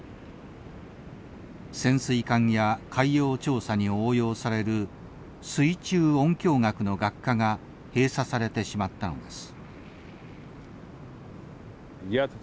潜水艦や海洋調査に応用される水中音響学の学科が閉鎖されてしまったのです。